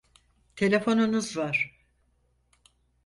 Telefonunuz var.